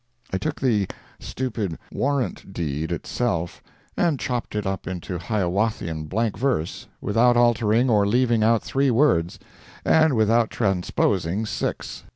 I took the stupid "Warranty Deed" itself and chopped it up into Hiawathian blank verse, without altering or leaving out three words, and without transposing six.